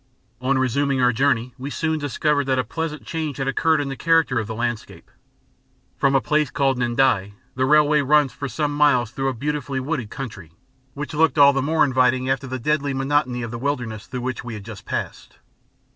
On resuming our journey, we soon discovered that a pleasant change had occurred in the character of the landscape. From a place called N'dii, the railway runs for some miles through a beautifully wooded country, which looked all the more inviting after the deadly monotony of the wilderness through which we had just passed.